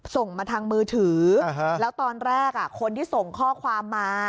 ส่งมาทางมือถือแล้วตอนแรกคนที่ส่งข้อความมา